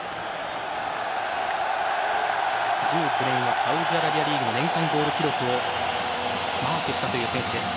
１９年はサウジアラビアリーグの年間ゴール記録をマークしたという選手です。